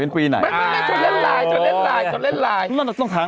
ต้องหางอย่างนี้เนี่ยถามข้อมูลไง